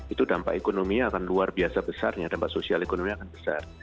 itu dampak ekonominya akan luar biasa besarnya dampak sosial ekonominya akan besar